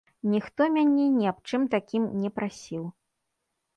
Ніхто мяне ні аб чым такім не прасіў.